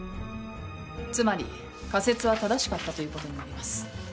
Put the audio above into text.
つまり仮説は正しかったということになります。